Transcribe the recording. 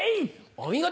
お見事。